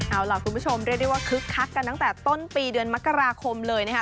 เอาล่ะคุณผู้ชมเรียกได้ว่าคึกคักกันต้นปีมกราคมเลยนะคะ